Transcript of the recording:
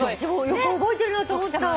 よく覚えてるなと思った。